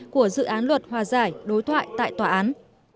của dự án luật hòa giải đối thoại tại tòa án